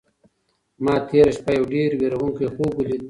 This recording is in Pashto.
ما تېره شپه یو ډېر وېروونکی خوب ولید.